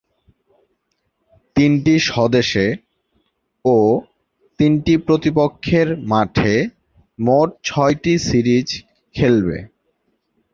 তিনটি স্ব-দেশে ও তিনটি প্রতিপক্ষের মাঠে মোট ছয়টি সিরিজ খেলবে।